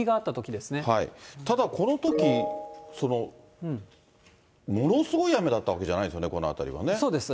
ただ、このとき、ものすごい雨だったわけじゃないですよね、そうです。